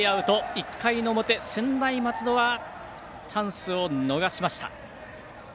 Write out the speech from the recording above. １回の表、専大松戸はチャンスを逃しました。